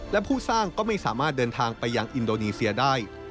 และผู้สร้างก็ไม่สามารถเดินทางไปยังอินโดนีเซียได้